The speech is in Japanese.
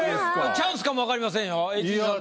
チャンスかも分かりませんよＨＧさん